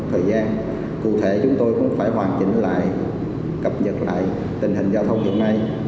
thời gian cụ thể chúng tôi cũng phải hoàn chỉnh lại cập nhật lại tình hình giao thông hiện nay